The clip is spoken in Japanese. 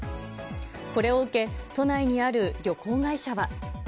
これを受け、都内にある旅行会社は。